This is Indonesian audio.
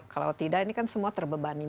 kalau tidak ini kan semua terbebani